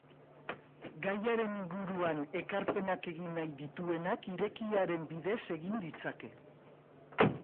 Gaiaren inguruan ekarpenak egin nahi dituenak irekiaren bidez egin ditzake.